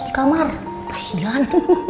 di kamar kasian